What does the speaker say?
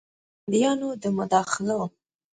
د ګاونډیانو د مداخلو